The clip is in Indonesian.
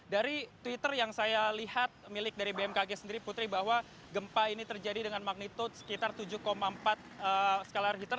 dari twitter yang saya lihat milik dari bmkg sendiri putri bahwa gempa ini terjadi dengan magnitude sekitar tujuh empat skala richter